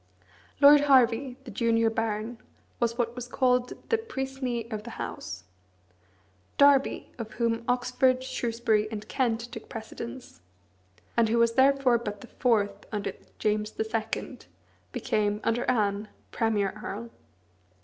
Lord Hervey, the junior baron, was what was called the "Puisné of the House." Derby, of whom Oxford, Shrewsbury, and Kent took precedence, and who was therefore but the fourth under James II., became (under Anne) premier earl.